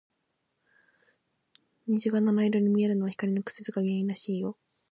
虹が七色に見えるのは、光の屈折が原因らしいよ。